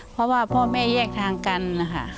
เพราะว่าพ่อแม่แยกทางกันนะคะ